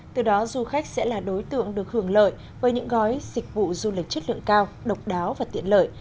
từ đó du khách sẽ là đối tượng được hưởng lợi với những gói dịch vụ du lịch chất lượng cao độc đáo và tiện lợi